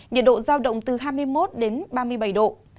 nhiệt độ giao động từ hai mươi một đến ba mươi bảy độ